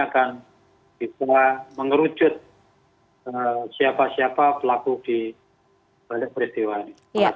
akan bisa mengerucut siapa siapa pelaku di balik peristiwa ini